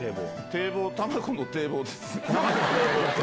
堤防、多摩湖の堤防です。